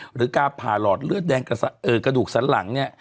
หรือการผ่าหลอดเลือดแดงกระดูกสันหลังเนี่ย